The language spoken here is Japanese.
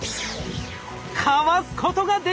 かわすことができました！